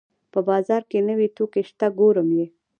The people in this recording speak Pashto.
په بازار کې نوې توکي شته ګورم یې